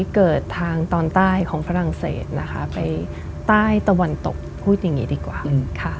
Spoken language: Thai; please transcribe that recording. เกิดทางตอนใต้ของฝรั่งเศสนะคะไปใต้ตะวันตกพูดอย่างนี้ดีกว่าค่ะ